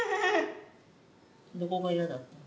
どこが嫌だったの？